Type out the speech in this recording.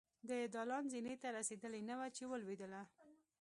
د دالان زينې ته رسېدلې نه وه چې ولوېدله.